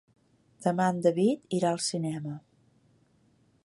Demà en David irà al cinema.